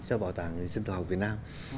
cho bảo tàng dân tộc học việt nam